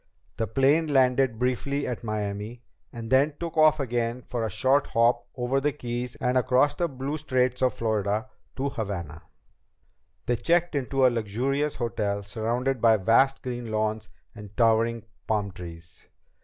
The plane landed briefly at Miami, and then took off again for the short hop over the Keys and across the blue Straits of Florida to Havana. They checked into a luxurious hotel, surrounded by vast green lawns and towering palm trees.